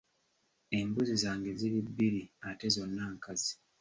Embuzi zange ziri bbiri ate zonna nkazi.